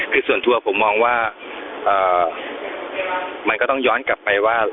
แฟร์หรือไม่แฟร์ส่วนทั่วผมมองว่ามันก็ต้องย้อนกลับไปว่า